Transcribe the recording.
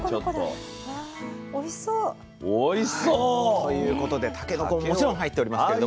おいしそう！ということでたけのこももちろん入っておりますけれども。